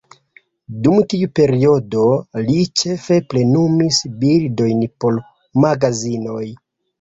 Dum tiu periodo, li ĉefe plenumis bildojn por magazinoj.